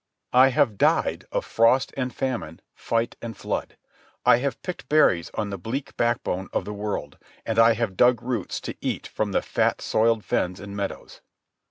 I have died of frost and famine, fight and flood. I have picked berries on the bleak backbone of the world, and I have dug roots to eat from the fat soiled fens and meadows.